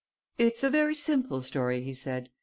"It's a very simple story," he said.